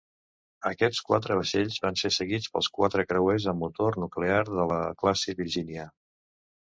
Aquests quatre vaixells van ser seguits pels quatre creuers amb motor nuclear de la classe "Virginia".